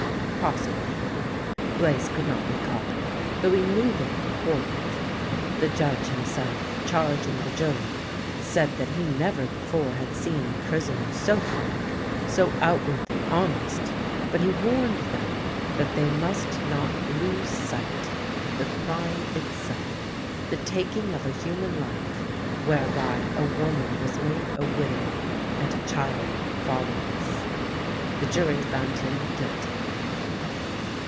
Possibly. Blaze could not recall, though he knew they had quarrelled. The judge himself, charg THE PRISONER 259 ing the jury, said that he never before had seen a prisoner so frank, so outwardly honest, but he warned them that they must not lose sight of the crime itself, the taking of a human life, whereby a woman was made a widow and a child fatherless. The jury found him guilty.